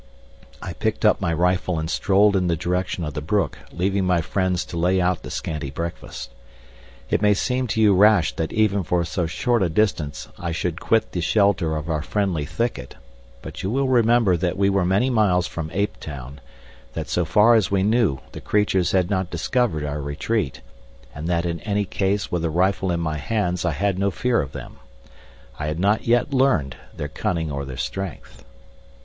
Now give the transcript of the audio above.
I picked up my rifle and strolled in the direction of the brook, leaving my friends to lay out the scanty breakfast. It may seem to you rash that even for so short a distance I should quit the shelter of our friendly thicket, but you will remember that we were many miles from Ape town, that so far as we knew the creatures had not discovered our retreat, and that in any case with a rifle in my hands I had no fear of them. I had not yet learned their cunning or their strength.